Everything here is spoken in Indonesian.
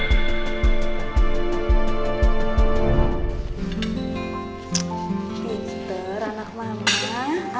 tidur anak mama